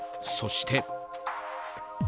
そして。